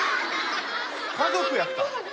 家族やったん？